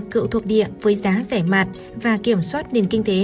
cựu thuộc địa với giá rẻ mạt và kiểm soát nền kinh tế